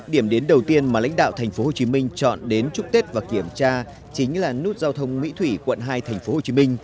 điểm đến đầu tiên mà lãnh đạo tp hcm chọn đến chúc tết và kiểm tra chính là nút giao thông mỹ thủy quận hai tp hcm